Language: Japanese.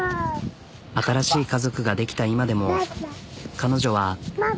新しい家族ができた今でも彼女は。